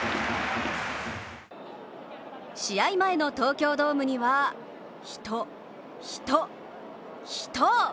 試合前の東京ドームには人、人、人。